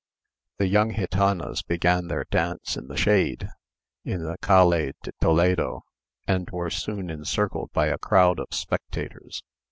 The young gitanas began their dance in the shade, in the Calle de Toledo, and were soon encircled by a crowd of spectators.